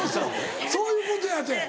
そういうことやて。